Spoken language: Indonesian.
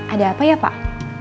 ada apa ya pak